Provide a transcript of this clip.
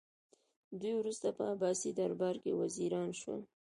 دوی وروسته په عباسي دربار کې وزیران شول